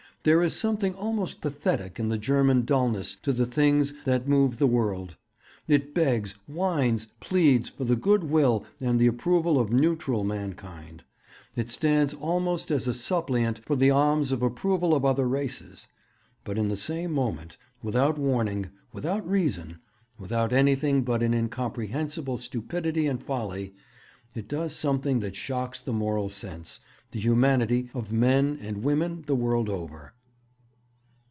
There is something almost pathetic in the German dullness to the things that move the world. It begs, whines, pleads for the goodwill and the approval of neutral mankind. It stands almost as a suppliant for the alms of approval of other races. But in the same moment, without warning, without reason, without anything but an incomprehensible stupidity and folly, it does something that shocks the moral sense, the humanity, of men and women the world over.'